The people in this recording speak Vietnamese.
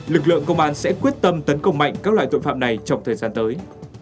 lực lượng công an sẽ quyết tâm tấn công mạnh các loại tội phạm này trong thời gian tới